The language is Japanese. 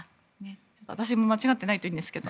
私も間違ってないといいんですけど。